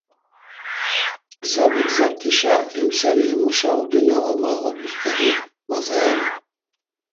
Gza vigzart̆işa him seri himuşa ogi na va mağodert̆u st̆eri mazayanu.